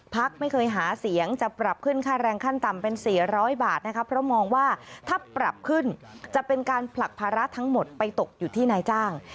พักไม่เคยหาเสียงจะปรับขึ้นค่าแรงขั้นต่ำเป็น๔๐๐บาทนะคะเพราะมองว่าถ้าปรับขึ้นจะเป็นการผลักภาระทั้งหมดไปตกอยู่ที่นายจ้าง